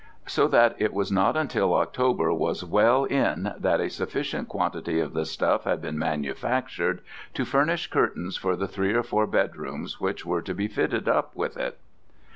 So that it was not until October was well in that a sufficient quantity of the stuff had been manufactured to furnish curtains for the three or four bedrooms which were to be fitted up with it.